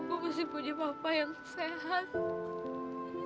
gue masih punya papa yang sehat